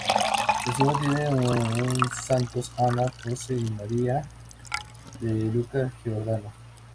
La segunda tiene un "Santos Ana, Jose y María" de Luca Giordano.